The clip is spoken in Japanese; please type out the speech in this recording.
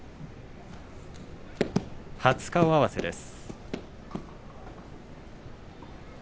初顔合わせです。